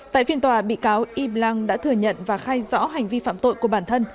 tại phiên tòa bị cáo y blang đã thừa nhận và khai rõ hành vi phạm tội của bản thân